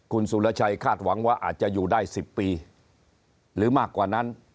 คุณสุรชัยคาดหวังว่าอาจจะอยู่ได้๑๐ปีหรือมากกว่านั้น